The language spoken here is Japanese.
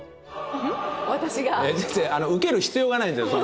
全然ウケる必要がないんですよ。